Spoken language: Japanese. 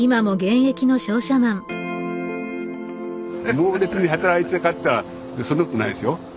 モーレツに働いてたかっていったらそんなことないですよ。